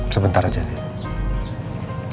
sebentar aja din